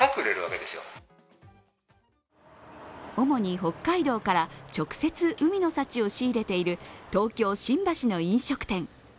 主に北海道から直接海の幸を仕入れている東京・新橋の飲食店。